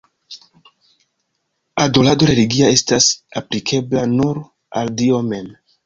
Adorado religia estas aplikebla nur al Dio mem.